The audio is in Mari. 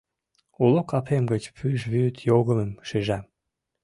Уло капем гыч пӱжвӱд йогымым шижам.